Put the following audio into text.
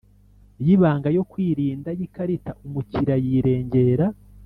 y ibanga yo kwirinda y ikarita umukiriya yirengera